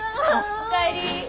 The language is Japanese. おかえり。